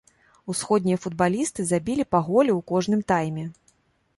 Усходнія футбалісты забілі па голе ў кожным тайме.